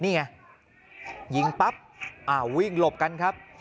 นี่ไงยิงปั๊บวิ่งหลบกันครับ